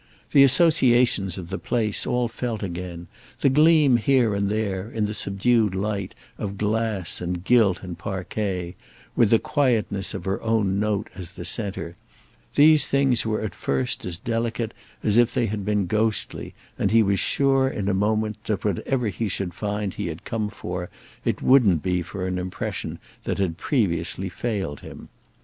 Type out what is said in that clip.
The associations of the place, all felt again; the gleam here and there, in the subdued light, of glass and gilt and parquet, with the quietness of her own note as the centre—these things were at first as delicate as if they had been ghostly, and he was sure in a moment that, whatever he should find he had come for, it wouldn't be for an impression that had previously failed him.